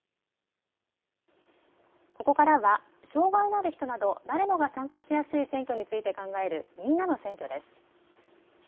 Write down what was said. ここからは障害がある人など誰もが参加しやすい選挙について考えるみんなの選挙です。